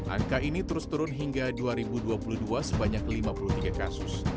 angka ini terus turun hingga dua ribu dua puluh dua sebanyak lima puluh tiga kasus